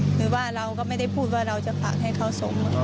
หรือว่าเราก็ไม่ได้พูดว่าเราจะฝากให้เขาส่งเหมือน